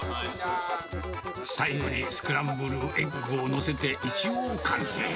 最後にスクランブルエッグを載せて、一応、完成。